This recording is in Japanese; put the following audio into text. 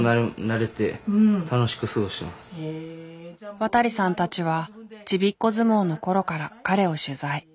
渡さんたちはちびっこ相撲の頃から彼を取材。